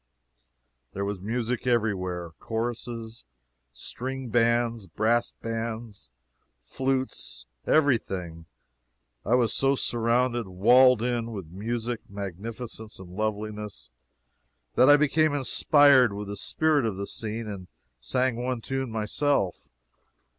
There was music every where choruses, string bands, brass bands, flutes, every thing. I was so surrounded, walled in, with music, magnificence and loveliness, that I became inspired with the spirit of the scene, and sang one tune myself.